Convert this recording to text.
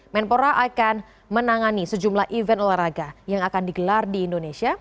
menpora akan menangani sejumlah event olahraga yang akan digelar di indonesia